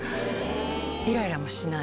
イライラもしない？